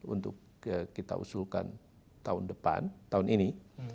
untuk kita usulkan tahun depan tahun ini